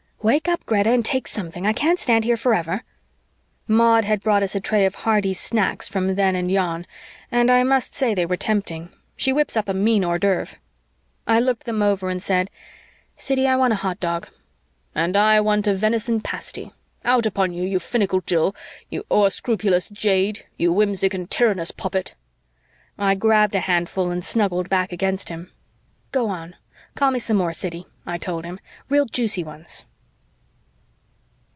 "Wake up, Greta, and take something. I can't stand here forever." Maud had brought us a tray of hearty snacks from then and yon, and I must say they were tempting; she whips up a mean hors d'oeuvre. I looked them over and said, "Siddy, I want a hot dog." "And I want a venison pasty! Out upon you, you finical jill, you o'erscrupulous jade, you whimsic and tyrannous poppet!" I grabbed a handful and snuggled back against him. "Go on, call me some more, Siddy," I told him. "Real juicy ones."